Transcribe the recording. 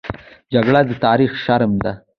جګړه د تاریخ شرم ده